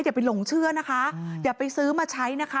อย่าไปหลงเชื่อนะคะอย่าไปซื้อมาใช้นะคะ